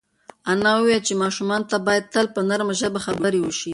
انا وویل چې ماشوم ته باید تل په نرمه ژبه خبرې وشي.